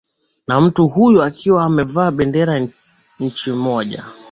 na mtu huyo akiwa amevaa bendera nchi moja